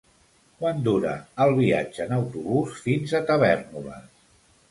Quant dura el viatge en autobús fins a Tavèrnoles?